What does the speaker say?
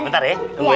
bentar ya tunggu ya